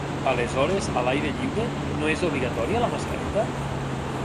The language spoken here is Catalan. Aleshores a l'aire lliure no és obligatòria la mascareta?